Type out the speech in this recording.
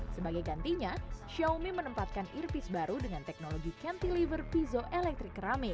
sebagai gantinya xiaomi menempatkan earpiece baru dengan teknologi cantilever piezoelectric ceramic